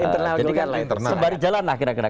jadi kan sembari jalan lah kira kira